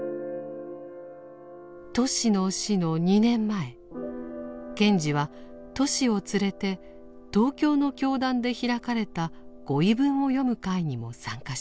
トシの死の２年前賢治はトシを連れて東京の教団で開かれた御遺文を読む会にも参加していました。